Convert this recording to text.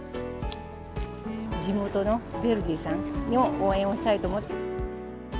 地元のヴェルディさんの応援をしたいと思って。